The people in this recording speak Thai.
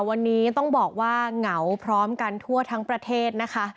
วันนี้ต้องบอกว่าเหงาพร้อมกันทั่วทั้งประเทศนะคะ